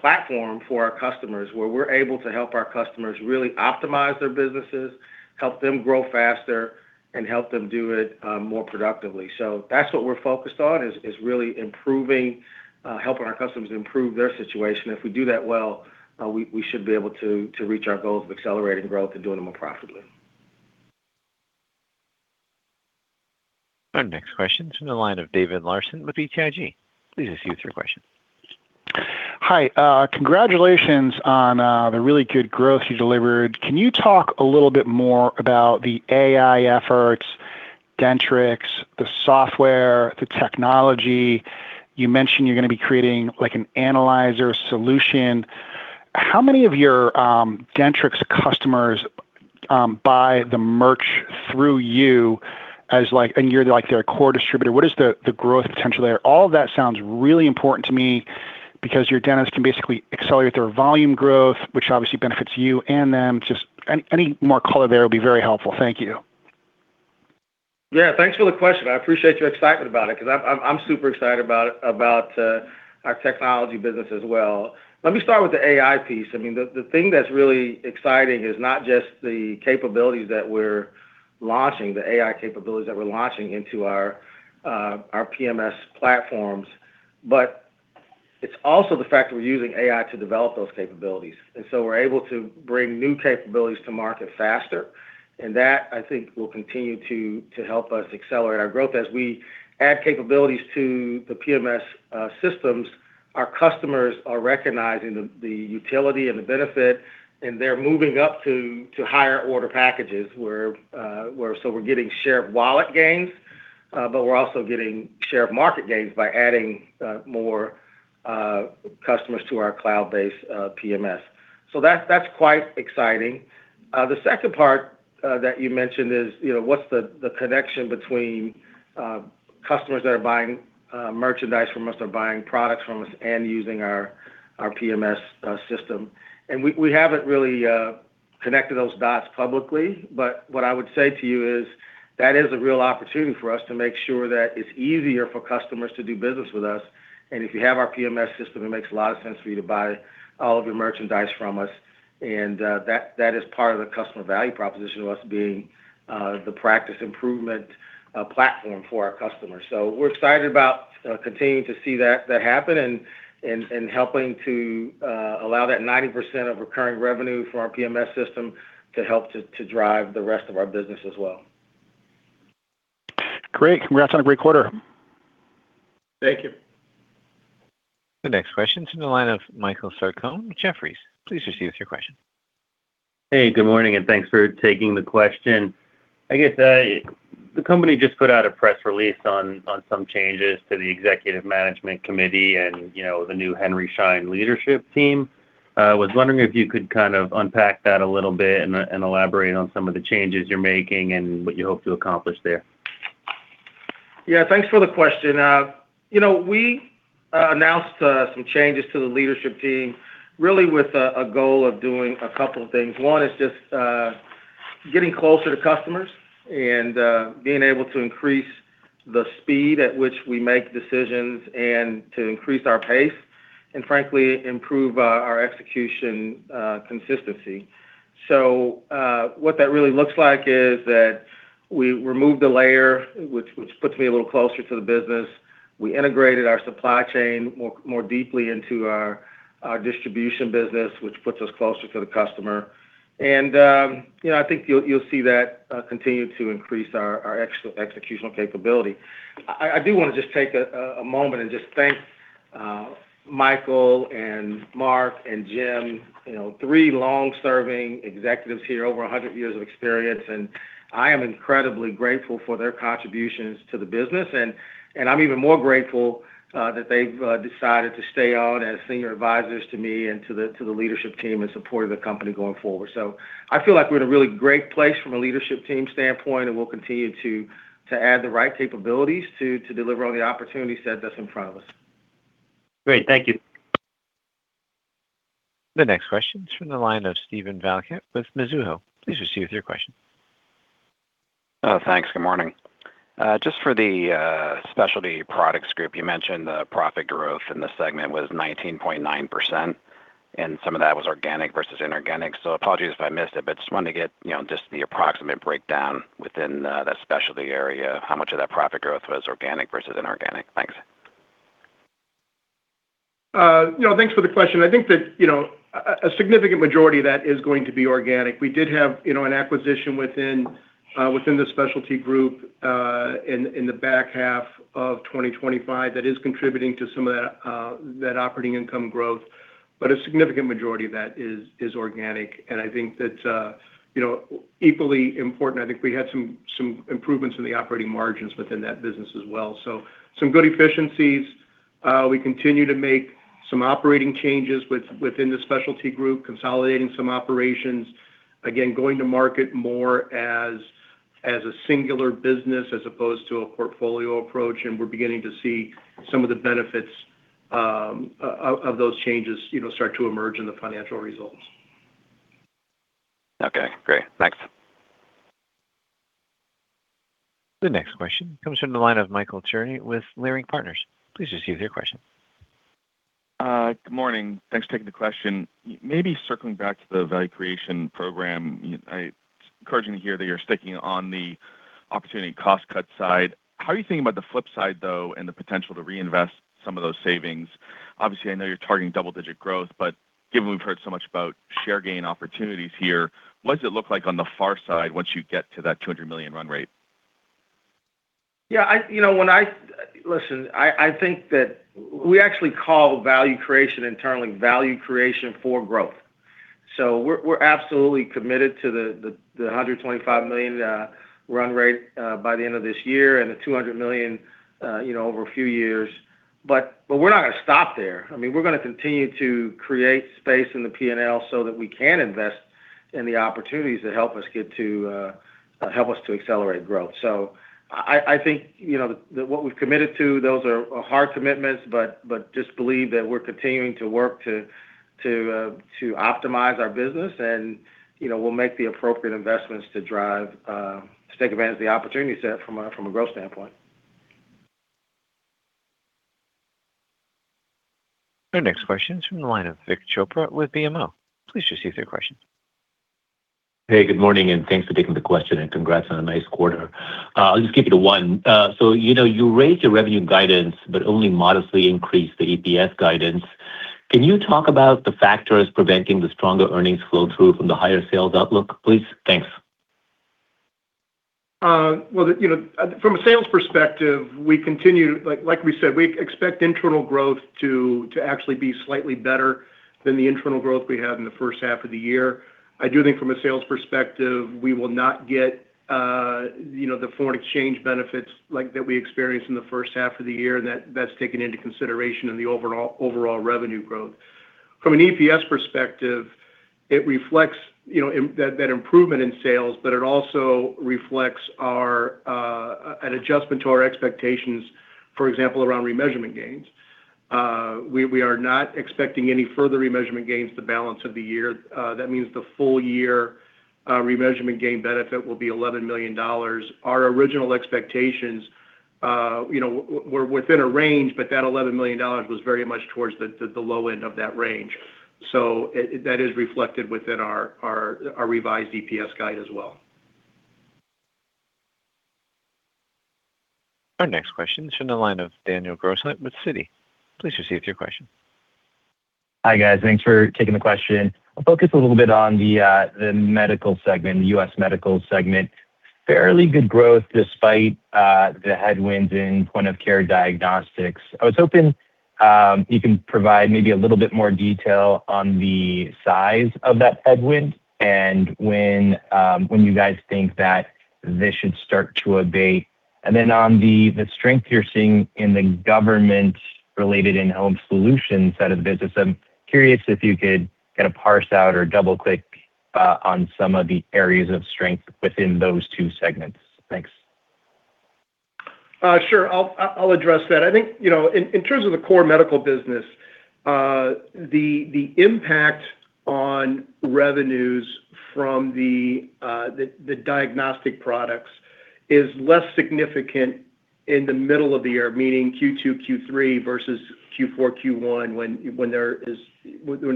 platform for our customers, where we're able to help our customers really optimize their businesses, help them grow faster, and help them do it more productively. That's what we're focused on, is really helping our customers improve their situation. If we do that well, we should be able to reach our goals of accelerating growth and doing them more profitably. Our next question's from the line of David Larsen with BTIG. Please proceed with your question. Hi. Congratulations on the really good growth you delivered. Can you talk a little bit more about the AI efforts, Dentrix, the software, the technology? You mentioned you're going to be creating an analyzer solution. How many of your Dentrix customers buy the merch through you, and you're their core distributor? What is the growth potential there? All of that sounds really important to me, because your dentists can basically accelerate their volume growth, which obviously benefits you and them. Just any more color there would be very helpful. Thank you. Yeah. Thanks for the question. I appreciate your excitement about it, because I'm super excited about our technology business as well. Let me start with the AI piece. The thing that's really exciting is not just the capabilities that we're launching, the AI capabilities that we're launching into our PMS platforms, but it's also the fact that we're using AI to develop those capabilities. We're able to bring new capabilities to market faster, and that, I think, will continue to help us accelerate our growth. As we add capabilities to the PMS systems, our customers are recognizing the utility and the benefit, and they're moving up to higher order packages. We're getting share-of-wallet gains, but we're also getting share of market gains by adding more customers to our cloud-based PMS. That's quite exciting. The second part that you mentioned is what's the connection between customers that are buying merchandise from us or buying products from us and using our PMS system. We haven't really connected those dots publicly, but what I would say to you is that is a real opportunity for us to make sure that it's easier for customers to do business with us. If you have our PMS system, it makes a lot of sense for you to buy all of your merchandise from us. That is part of the customer value proposition of us being the practice improvement platform for our customers. We're excited about continuing to see that happen and helping to allow that 90% of recurring revenue from our PMS system to help to drive the rest of our business as well. Great. Congrats on a great quarter. Thank you. The next question's from the line of Michael Sarcone with Jefferies. Please proceed with your question. Hey, good morning, and thanks for taking the question. I guess the company just put out a press release on some changes to the executive management committee and the new Henry Schein leadership team. I was wondering if you could kind of unpack that a little bit and elaborate on some of the changes you're making and what you hope to accomplish there. Thanks for the question. We announced some changes to the leadership team, really with a goal of doing a couple of things. One is just getting closer to customers and being able to increase the speed at which we make decisions and to increase our pace, and frankly, improve our execution consistency. What that really looks like is that we removed a layer, which puts me a little closer to the business. We integrated our supply chain more deeply into our distribution business, which puts us closer to the customer. I think you'll see that continue to increase our executional capability. I do want to just take a moment and just thank Michael and Mark and Jim, three long-serving executives here, over 100 years of experience, and I am incredibly grateful for their contributions to the business. I'm even more grateful that they've decided to stay on as senior advisors to me and to the leadership team in support of the company going forward. I feel like we're in a really great place from a leadership team standpoint, we'll continue to add the right capabilities to deliver on the opportunities set that's in front of us. Great. Thank you. The next question is from the line of Steven Valiquette with Mizuho. Please proceed with your question. Thanks. Good morning. Just for the Global Specialty Products Group, you mentioned the profit growth in the segment was 19.9%, and some of that was organic versus inorganic. Apologies if I missed it, but just wanted to get just the approximate breakdown within that Global Specialty Products Group area. How much of that profit growth was organic versus inorganic? Thanks. Thanks for the question. I think that a significant majority of that is going to be organic. We did have an acquisition within the Global Specialty Products Group in the back half of 2025 that is contributing to some of that operating income growth, but a significant majority of that is organic. I think that's equally important. I think we had some improvements in the operating margins within that business as well. Some good efficiencies. We continue to make some operating changes within the Global Specialty Products Group, consolidating some operations, again, going to market more as a singular business as opposed to a portfolio approach, and we're beginning to see some of the benefits of those changes start to emerge in the financial results. Okay, great. Thanks. The next question comes from the line of Michael Cherny with Leerink Partners. Please proceed with your question. Good morning. Thanks for taking the question. Circling back to the Value Creation Program, it's encouraging to hear that you're sticking on the opportunity cost cut side. How are you thinking about the flip side, though, and the potential to reinvest some of those savings? Obviously, I know you're targeting double-digit growth, but given we've heard so much about share gain opportunities here, what does it look like on the far side once you get to that $200 million run rate? Listen, I think that we actually call Value Creation internally Value Creation for Growth. We're absolutely committed to the $125 million run rate by the end of this year and the $200 million, over a few years. We're not going to stop there. We're going to continue to create space in the P&L so that we can invest in the opportunities that help us to accelerate growth. I think that what we've committed to, those are hard commitments, but just believe that we're continuing to work to optimize our business, and we'll make the appropriate investments to take advantage of the opportunity set from a growth standpoint. Our next question's from the line of Vik Chopra with BMO. Please proceed with your question. Good morning, and thanks for taking the question, and congrats on a nice quarter. I'll just keep it to one. You raised your revenue guidance, but only modestly increased the EPS guidance. Can you talk about the factors preventing the stronger earnings flow-through from the higher sales outlook, please? Thanks. From a sales perspective, like we said, we expect internal growth to actually be slightly better than the internal growth we had in the first half of the year. I do think from a sales perspective, we will not get the foreign exchange benefits like we experienced in the first half of the year, and that's taken into consideration in the overall revenue growth. From an EPS perspective, it reflects that improvement in sales, but it also reflects an adjustment to our expectations, for example, around remeasurement gains. We are not expecting any further remeasurement gains the balance of the year. That means the full year remeasurement gain benefit will be $11 million. Our original expectations were within a range, but that $11 million was very much towards the low end of that range. That is reflected within our revised EPS guide as well. Our next question's from the line of Daniel Grosslight with Citi. Please proceed with your question. Hi, guys. Thanks for taking the question. I'll focus a little bit on the Medical segment, the U.S. Medical segment. Fairly good growth despite the headwinds in point-of-care diagnostics. I was hoping you can provide maybe a little bit more detail on the size of that headwind and when you guys think that this should start to abate. On the strength you're seeing in the government-related in-home solutions side of the business, I'm curious if you could kind of parse out or double-click on some of the areas of strength within those two segments. Thanks. Sure. I'll address that. I think, in terms of the core medical business, the impact on revenues from the diagnostic products is less significant in the middle of the year, meaning Q2, Q3 versus Q4, Q1, when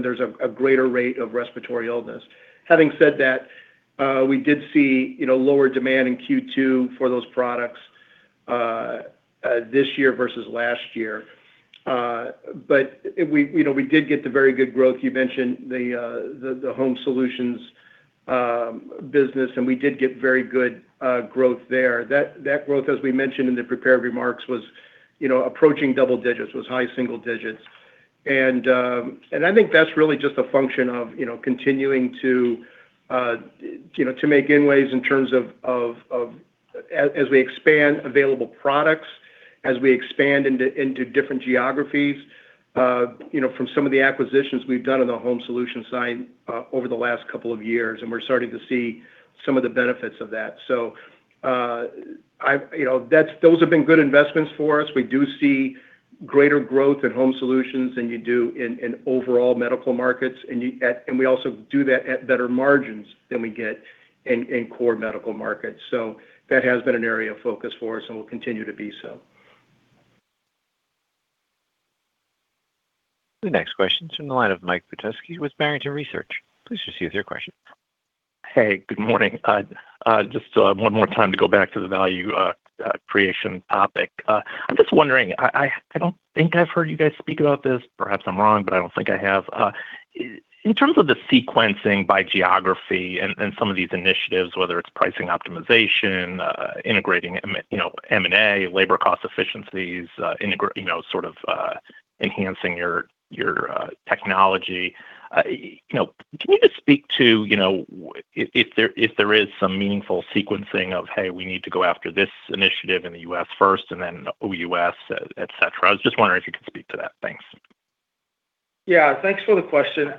there's a greater rate of respiratory illness. Having said that, we did see lower demand in Q2 for those products this year versus last year. We did get the very good growth. You mentioned the Home Health Solutions business. We did get very good growth there. That growth, as we mentioned in the prepared remarks, was approaching double digits, was high single digits. I think that's really just a function of continuing to make gain ways as we expand available products, as we expand into different geographies from some of the acquisitions we've done on the Home Health Solutions side over the last couple of years. We're starting to see some of the benefits of that. Those have been good investments for us. We do see greater growth in Home Health Solutions than you do in overall medical markets. We also do that at better margins than we get in core medical markets. That has been an area of focus for us and will continue to be so. The next question's from the line of Mike Petusky with Barrington Research. Please proceed with your question. Hey, good morning. Just one more time to go back to the value creation topic. I'm just wondering, I don't think I've heard you guys speak about this. Perhaps I'm wrong. I don't think I have. In terms of the sequencing by geography and some of these initiatives, whether it's pricing optimization, integrating M&A, labor cost efficiencies, sort of enhancing your technology, can you just speak to if there is some meaningful sequencing of, Hey, we need to go after this initiative in the U.S. first, then OUS, etc.? I was just wondering if you could speak to that. Thanks. Thanks for the question.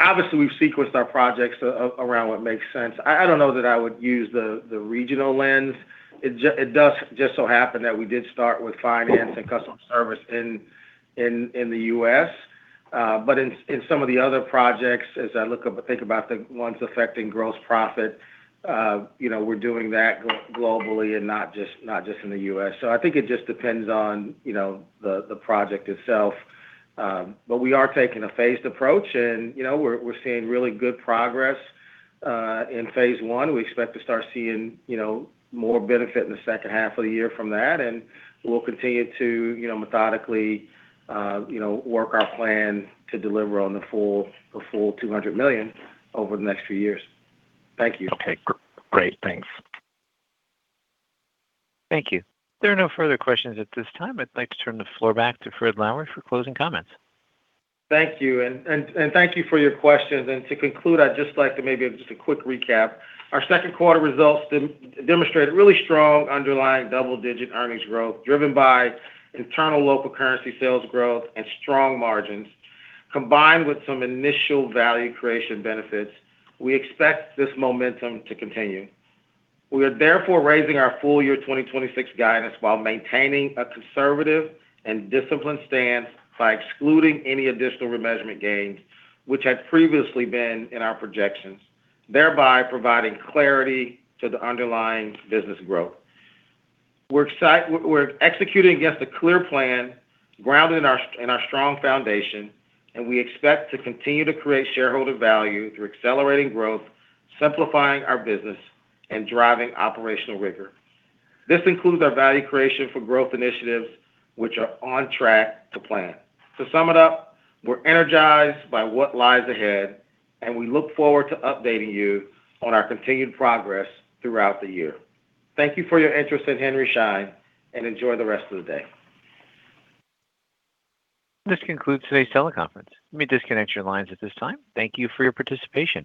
Obviously, we've sequenced our projects around what makes sense. I don't know that I would use the regional lens. It does just so happen that we did start with finance and customer service in the U.S. In some of the other projects, as I think about the ones affecting gross profit, we're doing that globally and not just in the U.S. I think it just depends on the project itself. We are taking a phased approach, and we're seeing really good progress in phase I. We expect to start seeing more benefit in the second half of the year from that, and we'll continue to methodically work our plan to deliver on the full $200 million over the next few years. Thank you. Okay, great. Thanks. Thank you. There are no further questions at this time. I'd like to turn the floor back to Fred Lowery for closing comments. Thank you. Thank you for your questions. To conclude, I'd just like to maybe just a quick recap. Our second quarter results demonstrated really strong underlying double-digit earnings growth driven by internal local currency sales growth and strong margins, combined with some initial value creation benefits. We expect this momentum to continue. We are therefore raising our full-year 2026 guidance while maintaining a conservative and disciplined stance by excluding any additional remeasurement gains which had previously been in our projections, thereby providing clarity to the underlying business growth. We're executing against a clear plan grounded in our strong foundation, and we expect to continue to create shareholder value through accelerating growth, simplifying our business, and driving operational rigor. This includes our value creation for growth initiatives, which are on track to plan. To sum it up, we're energized by what lies ahead, and we look forward to updating you on our continued progress throughout the year. Thank you for your interest in Henry Schein, and enjoy the rest of the day. This concludes today's teleconference. You may disconnect your lines at this time. Thank you for your participation.